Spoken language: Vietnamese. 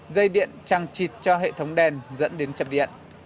dây điện trăng trịt cho hệ thống đèn dẫn đến chập điện